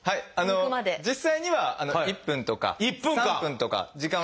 実際には１分とか１分間！